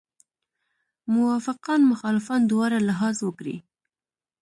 موافقان مخالفان دواړه لحاظ وکړي.